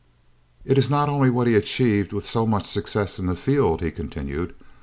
"It is not only what he achieved with so much success in the field," he continued.